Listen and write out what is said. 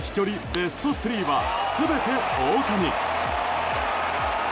ベスト３は全て大谷。